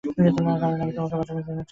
কারণ আমি তোমাকে বাচানোর চেষ্টা করছিলাম!